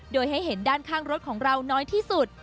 โดยให้เห็นด้านข้างรถของเราน้อยที่สุด